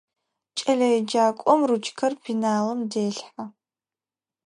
КӀэлэеджакӀом ручкэр пеналым делъхьэ.